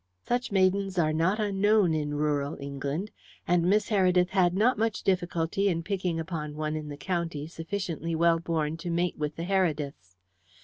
Such maidens are not unknown in rural England, and Miss Heredith had not much difficulty in picking upon one in the county sufficiently well born to mate with the Herediths.